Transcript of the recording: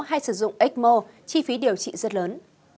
hay sử dụng ecmo chi phí điều trị rất lớn